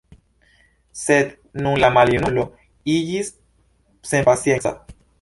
Sed nun la maljunulo iĝis senpacienca.